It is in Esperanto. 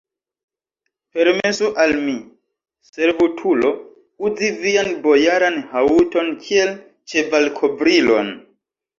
Permesu al mi, servutulo, uzi vian bojaran haŭton kiel ĉevalkovrilon!